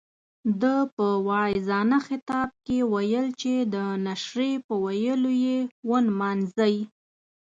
ده په واعظانه خطاب کې ویل چې د نشرې په ويلو یې ونمانځئ.